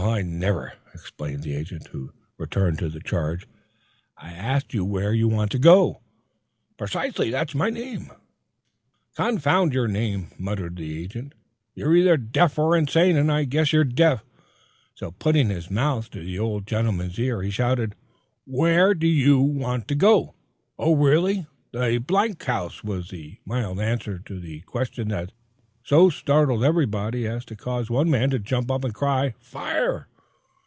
"Well, I never," exclaimed the agent, who returned to the charge. "I asked you where you wanted to go?" "Precisely; that's my name." "Confound your name!" muttered the agent. "You're either deaf or insane, and I guess you're deaf." So putting his mouth to the old gentleman's ear, he shouted, "Where do you want to go?" "O, really, the House," was the mild answer to a question that so startled everybody else as to cause one man to jump up and cry, "Fire!"